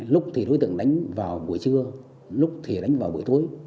lúc thì đối tượng đánh vào buổi trưa lúc thì đánh vào buổi tối